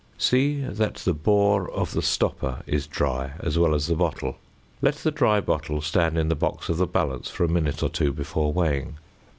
See that the bore of the stopper is dry as well as the bottle. Let the dry bottle stand in the box of the balance for a minute or two before weighing.